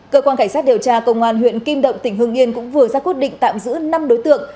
cơ quan cảnh sát điều tra công an huyện kim động tỉnh hương yên cũng vừa ra quyết định tạm giữ năm đối tượng